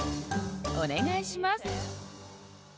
お願いします。